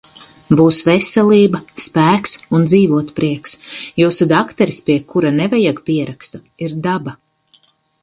Būs veselība, spēks un dzīvotprieks. Jūsu dakteris, pie kura nevajag pierakstu, ir Daba.